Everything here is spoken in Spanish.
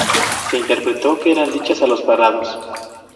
Se interpretó que eran dichas a los parados.